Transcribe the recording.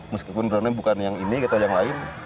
meskipun drone nya bukan yang ini gitu yang lain